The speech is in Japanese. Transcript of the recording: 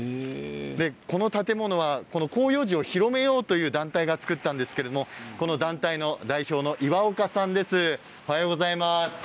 この建物は広葉樹を広めようという団体が造ったんですけどもこの団体の代表の岩岡さんです。